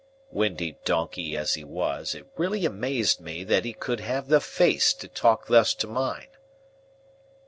'" Windy donkey as he was, it really amazed me that he could have the face to talk thus to mine.